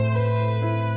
aku mau ke sana